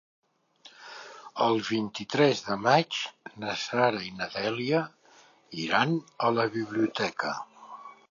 El vint-i-tres de maig na Sara i na Dèlia iran a la biblioteca.